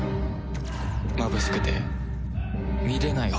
まぶしくて見れないほどに。